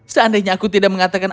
seandainya aku tidak mengatakan